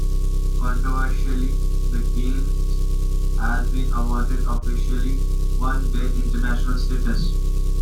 Controversially, the games have been awarded official One Day International status.